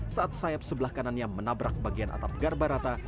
saat sayap sebelah kanan yang menabrak bagian atap garbarata